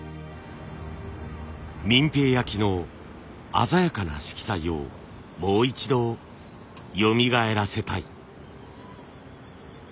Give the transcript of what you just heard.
平焼の鮮やかな色彩をもう一度よみがえらせたい。